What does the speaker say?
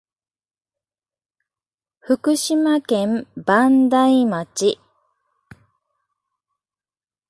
福島県磐梯町